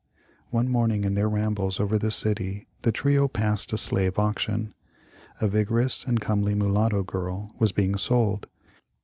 One morning in their rambles over the city the trio passed a slave auction. A vigor ous and comely mulatto girl was being sold.